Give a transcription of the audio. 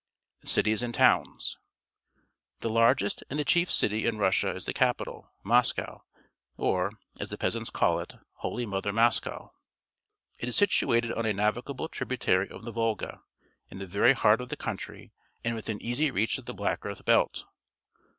Cities and Towns. — The largest and the cliief citj' in Russia is the c apital, Moscoi v, or, as the peasants call it, "Holy Mother Moscow." It is situated on a navigable tributary of the ^ olga, in the very heart of the country and within easy reach of the black earth belt.